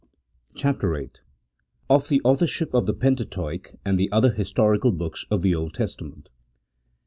CHAPTER VDX OF THE AUTHORSHIP OF THE PENTATEUCH AND THE OTHER HISTORICAL BOOKS OF THE OLD TESTAMENT.